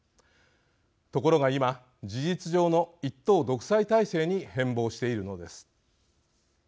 ところが今事実上の一党独裁体制に変貌しているのです。